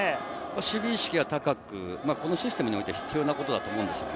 守備意識が高く、このシステムにおいて、必要なことだと思うんですね。